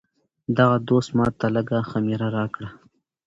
دغه دوست ماته لږه خمیره راکړه.